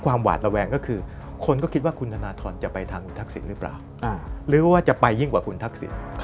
หวาดระแวงก็คือคนก็คิดว่าคุณธนทรจะไปทางคุณทักษิณหรือเปล่าหรือว่าจะไปยิ่งกว่าคุณทักษิณ